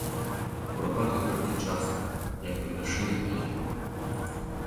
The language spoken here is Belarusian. Курапаты толькі частка, як бы вяршыня айсбергу.